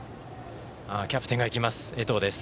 キャプテンがいきます、江藤です。